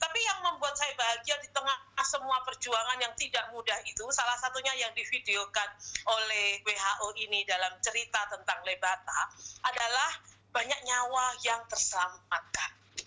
tapi yang membuat saya bahagia di tengah semua perjuangan yang tidak mudah itu salah satunya yang divideokan oleh who ini dalam cerita tentang lebata adalah banyak nyawa yang terselamatkan